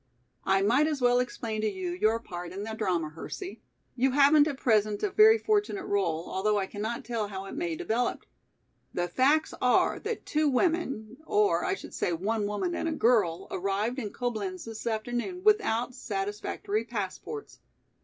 "I might as well explain to you your part in the drama, Hersey. You haven't at present a very fortunate role, although I cannot tell how it may develop. The facts are that two women, or I should say one woman and a girl, arrived in Coblenz this afternoon without satisfactory passports.